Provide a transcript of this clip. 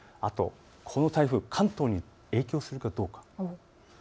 この風、関東に影響するかどうか。